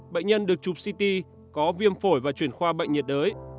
bệnh nhân được chụp ct có viêm phổi và chuyển khoa bệnh nhiệt đới